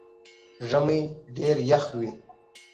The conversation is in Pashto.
ژمئ ډېر يخ وي